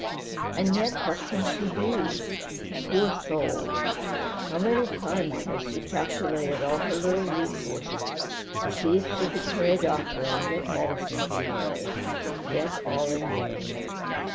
And yet what can she do? Poor soul! how many times has she calculated all her little resources, to see if she could pay a doctor and get medicine for Mary yet all in vain.